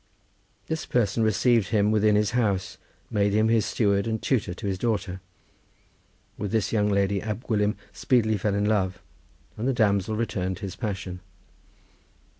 This person received him within his house, made him his steward and tutor to his daughter. With this young lady Ab Gwilym speedily fell in love, and the damsel returned his passion.